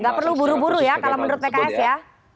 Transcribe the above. gak perlu buru buru ya kalau menurut pks ya